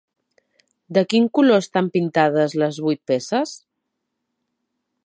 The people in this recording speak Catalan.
De quin color estan pintades les vuit peces?